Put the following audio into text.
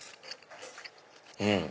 うん！